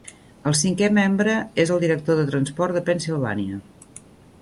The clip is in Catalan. El cinquè membre és el Director de Transport de Pennsilvània.